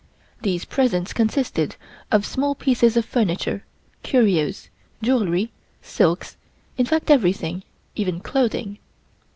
These presents consisted of small pieces of furniture, curios, jewelry, silks, in fact everything even clothing.